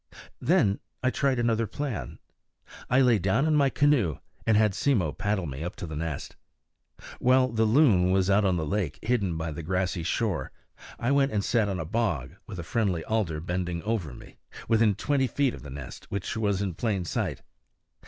Then I tried another plan. I lay down in my canoe, and had Simmo paddle me up to the nest. While the loon was out on the lake, hidden by the grassy shore, I went and sat on a bog, with a friendly alder bending over me, within twenty feet of the nest, which was in plain sight.